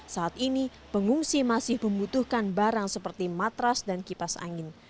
saat ini pengungsi masih membutuhkan barang seperti matras dan kipas angin